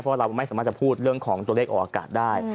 เพราะเราไม่สามารถจะพูดเรื่องของตัวเลขออกอากาศได้